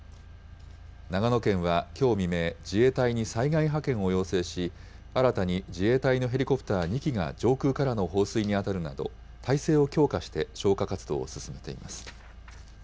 長野県はきょう未明、自衛隊に災害派遣を要請し、新たに自衛隊のヘリコプター２機が上空からの放水に当たるなど、態勢を強化して消火活動を進めています。